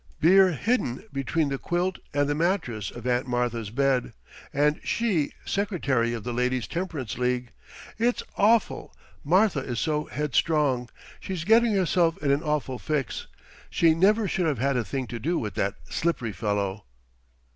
Beer hidden between the quilt and the mattress of Aunt Martha's bed, and she Secretary of the Ladies' Temperance League! It's awful! Martha is so headstrong! She's getting herself in an awful fix! She never should have had a thing to do with that Slippery fellow!"